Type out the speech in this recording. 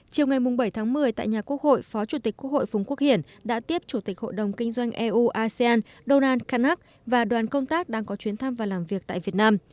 chiều ngày bảy tháng một mươi tại nhà quốc hội phó chủ tịch quốc hội phùng quốc hiển đã tiếp chủ tịch hội đồng kinh doanh eu asean donald karnak và đoàn công tác đang có chuyến thăm và làm việc tại việt nam